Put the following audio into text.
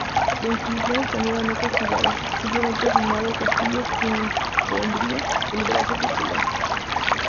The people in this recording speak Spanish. La Inquisición española no castigaba, simplemente asignaba el castigo que impondría el brazo secular.